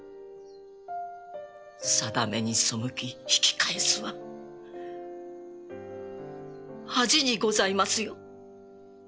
定めに背き引き返すは恥にございますよ。